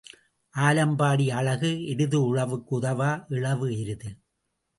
ஆலம்பாடி அழகு எருது உழவுக்கு உதவா இழவு எருது.